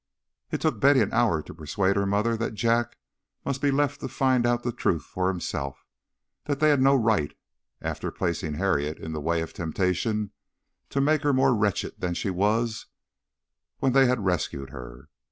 It took Betty an hour to persuade her mother that Jack must be left to find out the truth for himself; that they had no right, after placing Harriet in the way of temptation, to make her more wretched than she was when they had rescued her.